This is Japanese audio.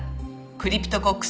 クリプトコックス。